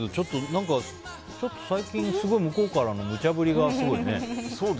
何か、最近向こうからのむちゃ振りがすごいね。